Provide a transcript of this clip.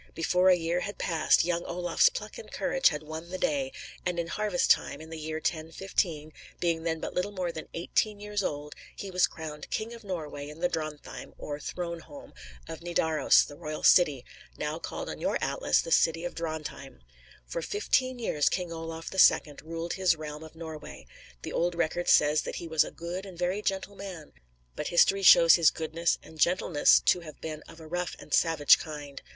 Before a year had passed, young Olaf's pluck and courage had won the day, and in harvest time, in the year 1015, being then but little more than eighteen years old, he was crowned King of Norway in the Drontheim, or "Throne home," of Nidaros, the royal city, now called on your atlas the city of Drontheim. For fifteen years King Olaf the Second ruled his realm of Norway. The old record says that he was "a good and very gentle man"; but history shows his goodness and gentleness to have been of a rough and savage kind.